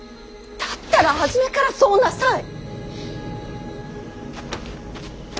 だったら初めからそうなさい！